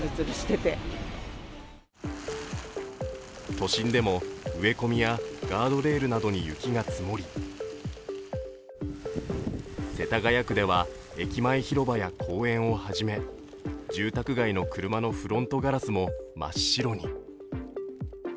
都心でも植え込みやガードレールなどに雪が積もり世田谷区では駅前広場や公園をはじめ住宅街の車のフロントガラスも真っ白に。